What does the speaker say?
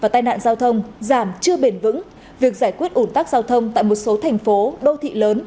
tại một số thành phố đô thị lớn